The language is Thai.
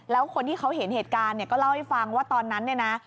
แล้วคนที่เขาเห็นเหตุการณ์ก็เล่าให้ฟังว่าตอนนั้น